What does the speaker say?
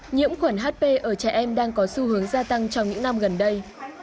nhiễm khuẩn hp ở trẻ em đang có xu hướng gia tăng trong những năm gần đây